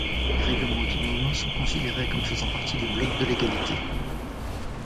Les règlements autonomes sont considérés comme faisant partie du bloc de légalité.